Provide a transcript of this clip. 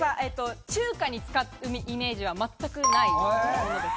中華に使うイメージはまったくないです。